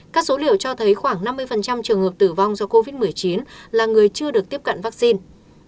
các số liệu cho thấy khoảng năm mươi trường hợp tử vong do covid một mươi chín là người chưa được tiếp cận vaccine